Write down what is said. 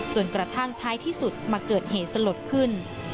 กระทั่งท้ายที่สุดมาเกิดเหตุสลดขึ้น